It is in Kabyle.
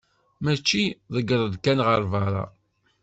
mačči ḍegger-d kan ar berra.